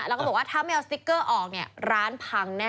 แล้วก็บอกว่าถ้าไม่เอาสติ๊กเกอร์ออกเนี่ยร้านพังแน่